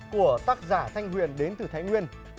của tác giả thanh huyền đến từ thái nguyên